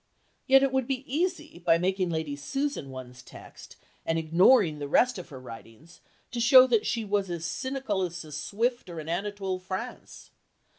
Yet it would be easy, by making Lady Susan one's text, and ignoring the rest of her writings, to show that she was as cynical as a Swift or an Anatole France.